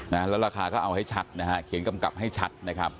และราคาก็เอาให้ชัดเขียนกลับให้ชัด